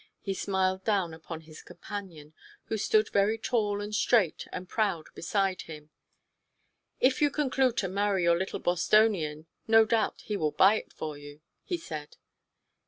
He smiled down upon his companion, who stood very tall and straight and proud beside him. "If you conclude to marry your little Bostonian no doubt he will buy it for you," he said.